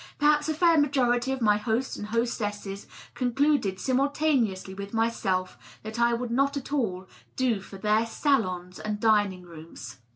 Perhaps a fair majority of my hosts and hostesses concluded simultaneously with myself that I would not at all do for their salons and dining rooms.